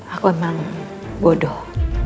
aku emang bodoh